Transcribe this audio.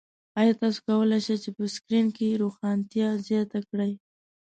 ایا تاسو کولی شئ په سکرین کې روښانتیا زیاته کړئ؟